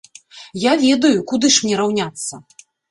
Я ведаю, куды ж мне раўняцца!